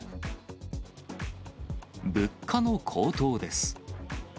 物価の高騰です。